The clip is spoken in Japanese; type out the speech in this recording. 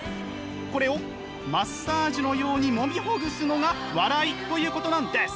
これをマッサージのようにもみほぐすのが笑いということなんです。